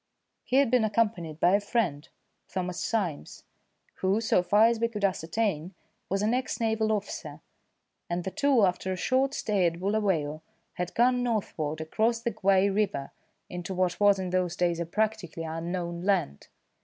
He had been accompanied by a friend, Thomas Symes, who, so far as we could ascertain, was an ex naval officer; and the two, after a short stay at Bulawayo, had gone northward across the Guai river into what was in those days a practically unknown land.